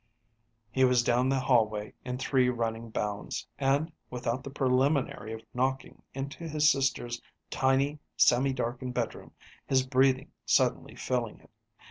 He was down the hallway in three running bounds and, without the preliminary of knocking, into his sister's tiny, semi darkened bedroom, his breathing suddenly filling it.